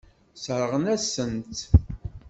Sseṛɣen-asent-tt.